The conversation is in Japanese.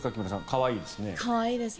可愛いですね。